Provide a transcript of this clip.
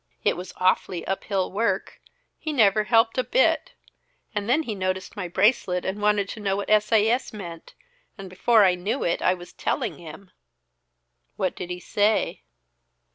"It was awfully uphill work. He never helped a bit. And then he noticed my bracelet and wanted to know what S. A. S. meant. And before I knew it, I was telling him!" "What did he say?"